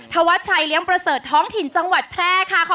ธวัชชัยเลี้ยงประเสริฐท้องถิ่นจังหวัดแพร่ค่ะ